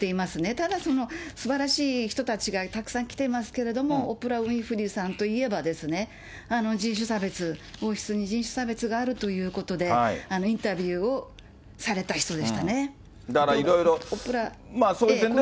ただそのすばらしい人たちがたくさん来ていますけれども、オプラ・ウィンフリーさんといえば、人種差別、王室に人種差別があるということで、インタビューをされた人でしだからいろいろ、そういう点では。